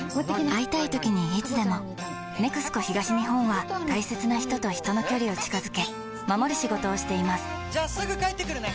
会いたいときにいつでも「ＮＥＸＣＯ東日本」は大切な人と人の距離を近づけ守る仕事をしていますじゃあすぐ帰ってくるね！